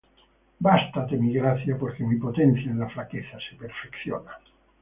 Bástate mi gracia; porque mi potencia en la flaqueza se perfecciona.